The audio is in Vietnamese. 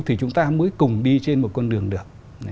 thì chúng ta mới cùng đi trên một con đường được